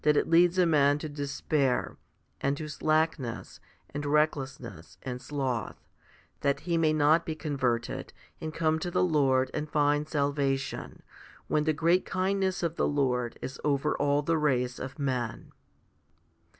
xxi. 43. HOMILY IV 35 it leads a man to despair, and to slackness and recklessness and sloth, that he may not be converted and come to the Lord and find salvation, when the great kindness of the Lord is over all the race of men.